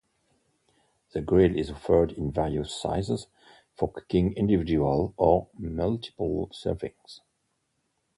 The grill is offered in various sizes for cooking individual or multiple servings.